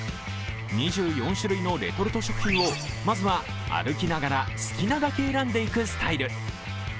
２４種類のレトルト食品をまずは歩きながら好きなだけ選んでいくスタイル。